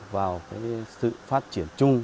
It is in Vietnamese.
vào sự phát triển chung